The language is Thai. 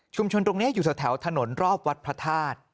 ชุมชนตรงนี้อยู่สักแถวถนนรอบวัดพระธาตุ